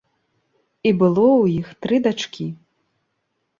І было ў іх тры дачкі.